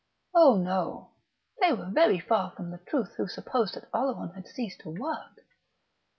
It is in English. Oh no: they were very far from the truth who supposed that Oleron had ceased to work!